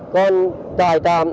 còn trải tạm